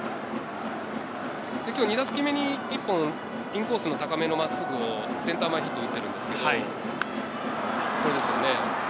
今日２打席目に１本、インコースの高めの真っすぐをセンター前ヒットを打ってるんですけど、これですね。